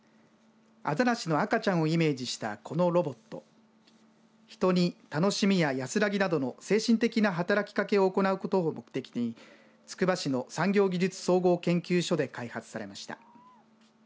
アザラシの赤ちゃんをイメージしたこのロボット人に楽しみや安らぎなどの精神的な働きかけを目的につくば市の産業技術総合研究所で開発されました。